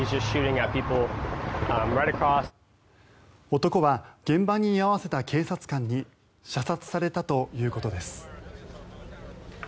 男は現場に居合わせた警察官に射殺されたということです。